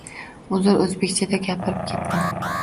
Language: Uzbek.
Uzr, oʻzbekchada gapirib ketdim.